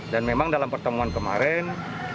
dan memang dalam pertemuan kemarin